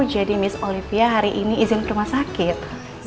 jadi miss olivia hari ini izin ke rumah sakit